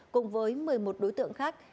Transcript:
cùng với một mươi một đối tượng khác